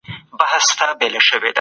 د حالاتو بدلون ته چمتو اوسئ.